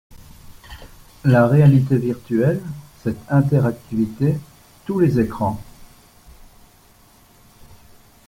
La réalité virtuelle, cette interactivité, tous les écrans.